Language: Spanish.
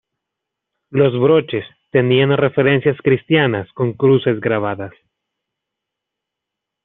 Los broches tenían referencias cristianas, con cruces grabadas.